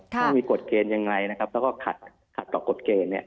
ถ้ามีกฎเกณฑ์อย่างไรแล้วก็ขัดต่อกฎเกณฑ์